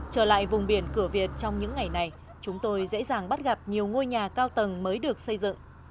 trở lại vùng biển cửa việt trong những ngày này chúng tôi dễ dàng bắt gặp nhiều ngôi nhà cao tầng mới được xây dựng